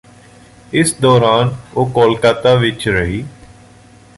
ਇਸ ਦੌਰਾਨ ਉਹ ਕੋਲਾਕਾਤਾ ਵਿਚ ਰਹੀ